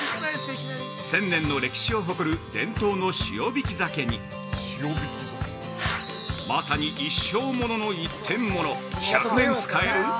「千年の歴史を誇る伝統の塩引き鮭」に「まさに一生ものの一点もの！１００年使える！？